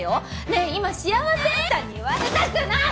ねえ今幸せ？あんたに言われたくない！